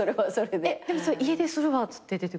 でもそれ「家出するわ」っつって出てくの？